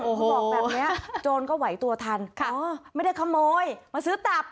พอบอกแบบนี้โจรก็ไหวตัวทันอ๋อไม่ได้ขโมยมาซื้อตับ